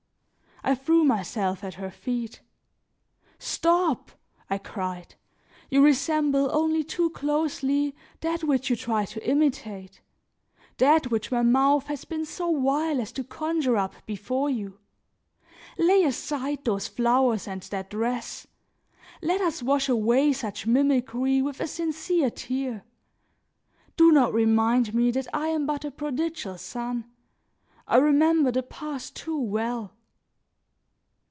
I threw myself at her feet. "Stop!" I cried, "you resemble only too closely, that which you try to imitate, that which my mouth has been so vile as to conjure up before you. Lay aside those flowers and that dress. Let us wash away such mimicry with a sincere tear; do not remind me that I am but a prodigal son; I remember the past too well."